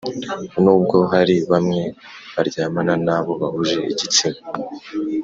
Nubwo hari bamwe baryamana n abo bahuje igitsina